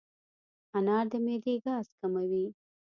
انار د معدې ګاز کموي.